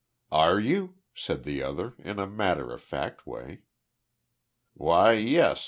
"Are you?" said the other, in a matter of fact way. "Why, yes.